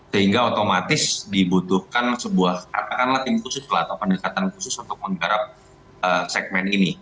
sehingga otomatis dibutuhkan sebuah katakanlah tim khusus lah atau pendekatan khusus untuk menggarap segmen ini